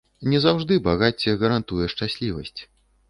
Не заўжды багацце гарантуе шчаслівасць.